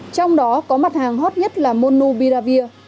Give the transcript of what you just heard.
trong đó có mặt hàng hot nhất là monubiravir